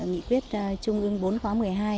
nghị quyết chung ứng bốn khóa một mươi hai